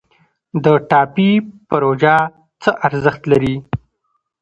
د ټاپي پروژه څه ارزښت لري؟